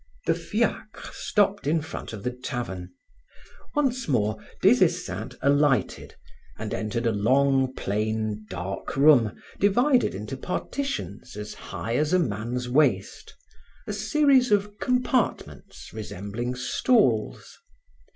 The fiacre stopped in front of the tavern. Once more, Des Esseintes alighted and entered a long dark plain room, divided into partitions as high as a man's waist, a series of compartments resembling stalls.